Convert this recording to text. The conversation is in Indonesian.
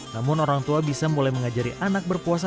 namun orang tua bisa mulai mengajarkan anaknya berpuasa